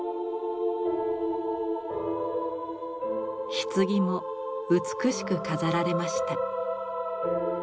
棺も美しく飾られました。